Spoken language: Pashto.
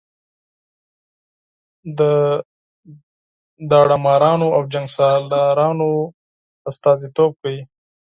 د داړه مارانو او جنګ سالارانو استازي توب کوي.